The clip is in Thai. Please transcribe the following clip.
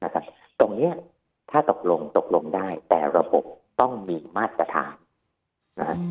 ตรงนี้ถ้าตกลงตกลงได้แต่ระบบต้องมีมาตรฐานนะครับ